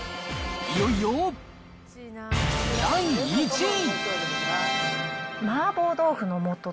いよいよ、第１位。